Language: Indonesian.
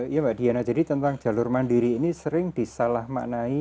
iya mbak diana jadi tentang jalur mandiri ini sering disalah maknai